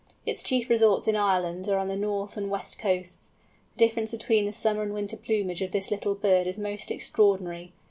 Its chief resorts in Ireland are on the north and west coasts. The difference between the summer and winter plumage of this little bird is most extraordinary.